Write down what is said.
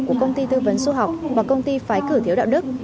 của công ty tư vấn xuất học và công ty phái cửa thiếu đạo đức